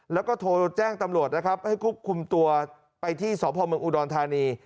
แล้วก็โทรแจ้งตำรวจนะครับให้ควบคุมตัวไปที่สพเมืองอุดรธานี